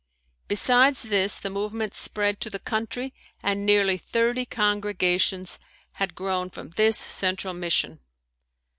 Besides this the movement spread to the country and nearly thirty congregations had grown from this central mission.